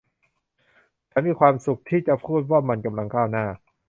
ฉันมีความสุขที่จะพูดว่ามันกำลังก้าวหน้า